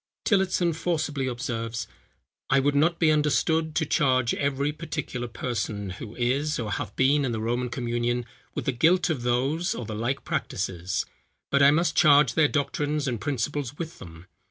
Tillotson forcibly observes, "I would not be understood to charge every particular person, who is, or hath been in the Roman communion, with the guilt of those or the like practices; but I must charge their doctrines and principles with them.